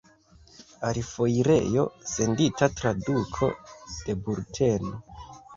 Al foirejo sendita traduko de bulteno.